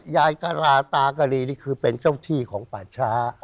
ยายกะลาตากะลีนี่คือเป็นเจ้าที่ของป่าช้า